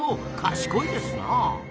賢いですなあ。